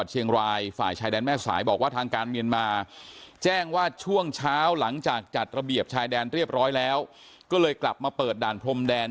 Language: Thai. ชายแดนเรียบร้อยแล้วก็เลยกลับมาเปิดด่านพรมแดน